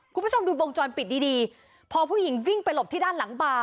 คุณผู้ชมดูวงจรปิดดีดีพอผู้หญิงวิ่งไปหลบที่ด้านหลังบาร์